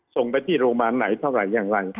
ส่งไปที่โรงพยาบาลไหนเท่าไหร่อย่างไร